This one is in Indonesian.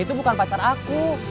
itu bukan pacar aku